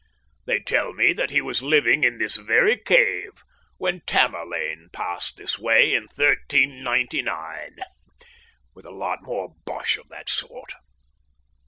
They tell me that he was living in this very cave when Tamerlane passed this way in 1399, with a lot more bosh of that sort.